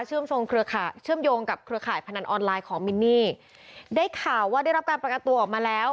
เครือข่ายเชื่อมโยงกับเครือข่ายพนันออนไลน์ของมินนี่ได้ข่าวว่าได้รับการประกันตัวออกมาแล้ว